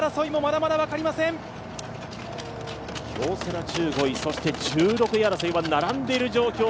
京セラ１５位、１６位争いは並んでいる状況。